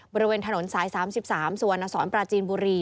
บริเวณถนนสาย๓๓สวนอสรประจีนบุรี